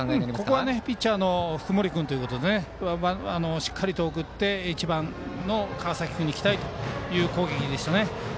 ここはピッチャーの福盛君ということでしっかり送って、１番の川崎君に期待という攻撃でしたね。